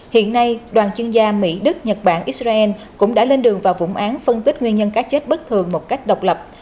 hiện nay đoàn chuyên gia mỹ đức nhật bản israel cũng đã lên đường vào vụ án phân tích nguyên nhân cá chết bất thường một cách độc lập